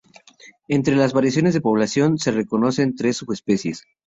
Entre las variaciones de población, se reconocen tres subespecies.